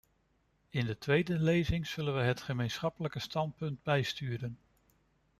In de tweede lezing zullen we het gemeenschappelijk standpunt bijsturen.